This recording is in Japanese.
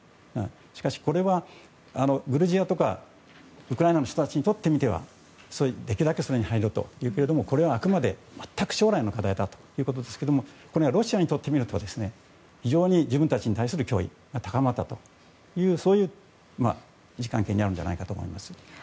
しかし、これはグルジアとかウクライナの人たちにとってはできるだけ、それに入ろうというところだけどもこれはあくまで、全く将来の課題だということですけどこれは、ロシアにとってみると自分たちに対する脅威が高まったという位置関係にあるんだと思います。